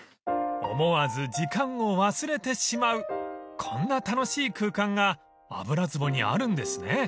［思わず時間を忘れてしまうこんな楽しい空間が油壺にあるんですね］